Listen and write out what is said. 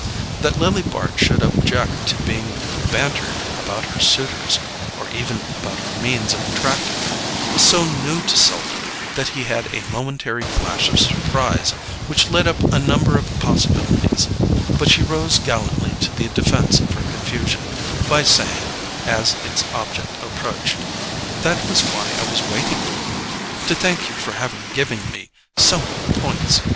That Lily Bart should object to being bantered about her suitors, or even about her means of attracting them, was so new to Selden that he had a momentary flash of surprise, which lit up a number of possibilities; but she rose gallantly to the defence of her confusion, by saying, as its object approached: "That was why I was waiting for you—to thank you for having given me so many points!"